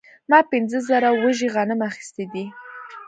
ما پنځه زره وږي غنم اخیستي دي